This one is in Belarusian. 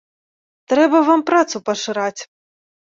Трэба вам працу пашыраць!